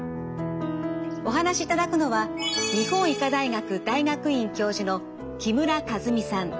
お話しいただくのは日本医科大学大学院教授の木村和美さん。